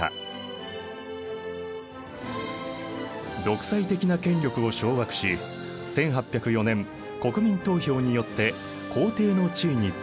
独裁的な権力を掌握し１８０４年国民投票によって皇帝の地位につく。